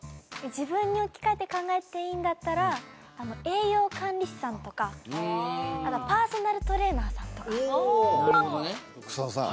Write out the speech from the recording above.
自分に置き換えて考えていいんだったら栄養管理士さんとかパーソナルトレーナーさんとかおお草野さん